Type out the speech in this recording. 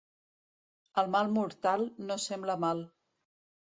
El mal mortal no sembla mal.